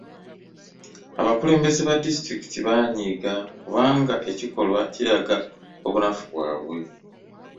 Abakulembeze ba disitulikiti baanyiiga kubanga ekikolwa kiraga obunafu bwabwe.